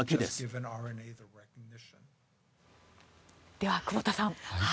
では久保田さん。